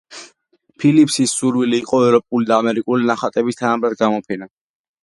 ფილიპსის სურვილი იყო ევროპული და ამერიკული ნახატების თანაბრად გამოფენა.